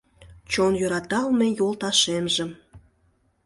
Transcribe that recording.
Чон йӧраталме йолташемжым